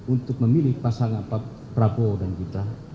untuk memilih pasangan pak prabowo dan gibran